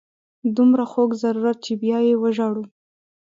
دومره خوږ ضرورت چې بیا یې وژاړو.